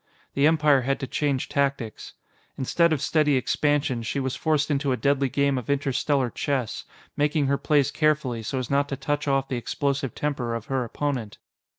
The Empire had to change tactics. Instead of steady expansion, she was forced into a deadly game of interstellar chess, making her plays carefully, so as not to touch off the explosive temper of her opponent.